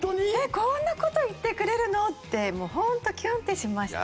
「こんな事言ってくれるの？」ってホントキュンってしました。